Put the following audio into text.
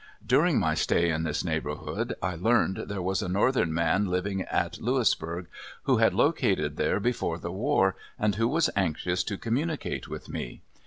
During my stay in this neighborhood, I learned there was a northern man living at Louisburg, who had located there before the war, and who was anxious to communicate with me.